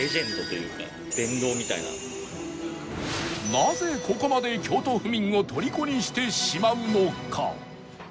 なぜここまで京都府民を虜にしてしまうのか？